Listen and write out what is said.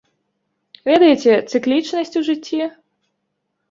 Ведаеце, цыклічнасць у жыцці?